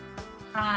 はい。